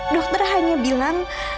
dokter hanya bilang